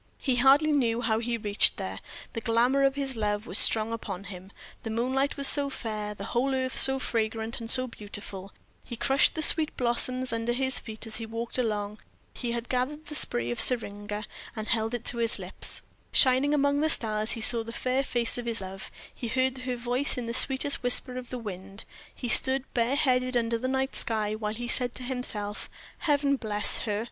He hardly knew how he reached there, the glamour of his love was strong upon him, the moonlight was so fair, the whole earth so fragrant and so beautiful; he crushed the sweet blossoms under his feet as he walked along; he had gathered the spray of syringa, and he held it to his lips; shining among the stars he saw the fair face of his love, he heard her voice in the sweet whisper of the wind; he stood bare headed under the night sky, while he said to himself, "Heaven bless her!"